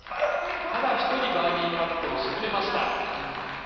ただ１人バーディパットを沈めました。